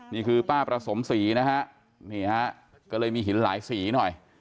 นี่คือป้าประสมศรีนะฮะนี่ฮะก็เลยมีหินหลายสีหน่อย